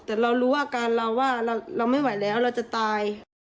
แต่เรารู้อาการเราว่าเราไม่ไหวแล้วเราจะตาย